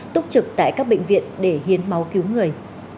túc trực tại các bệnh viện để hiến máu cứu người